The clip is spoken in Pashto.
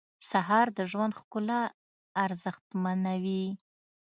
سهار د ژوند ښکلا ارزښتمنوي.